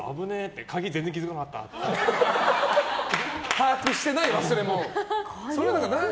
把握してない忘れ物。